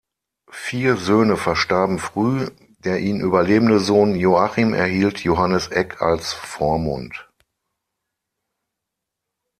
Vier Söhne verstarben früh, der ihn überlebende Sohn Joachim erhielt Johannes Eck als Vormund.